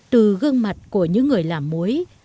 từ gương mặt của những người làm muối